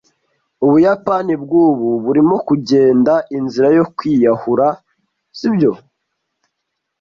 Ubuyapani bwubu burimo kugenda inzira yo kwiyahura, sibyo?